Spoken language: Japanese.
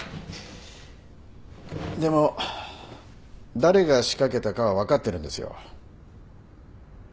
でも誰が仕掛けたかは分かってるんですよ。